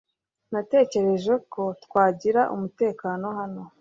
Natekereje ko twagira umutekano hano .